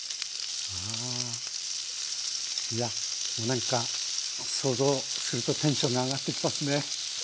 なんか想像するとテンションが上がってきますね。